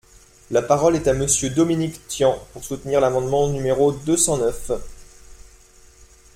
La parole est à Monsieur Dominique Tian, pour soutenir l’amendement numéro deux cent neuf.